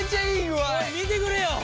おい見てくれよ。